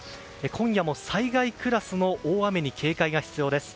今夜も災害クラスの大雨に警戒が必要です。